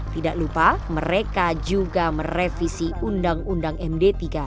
tidak lupa mereka juga merevisi undang undang md tiga